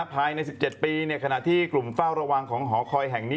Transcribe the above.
ภายใน๑๗ปีขณะที่กลุ่มเฝ้าระวังของหอคอยแห่งนี้